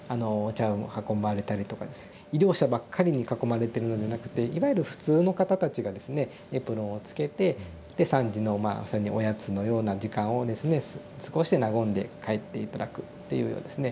医療者ばっかりに囲まれてるのでなくていわゆる普通の方たちがですねエプロンをつけてで３時のまあおやつのような時間をですね和んで帰って頂くっていうようなですね。